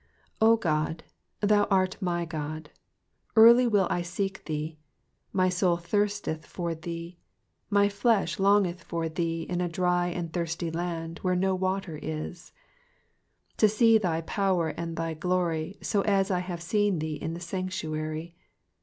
OGOD, thou art my God ; early will I seek thee : my soul thirsteth for thee, my flesh longeth for thee in a dry and thirsty land, where no water is ; 2 To see thy power and thy glory, so ^w I have seen thee in the sanctuary.